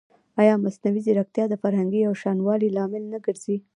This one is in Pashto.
ایا مصنوعي ځیرکتیا د فرهنګي یوشان والي لامل نه ګرځي؟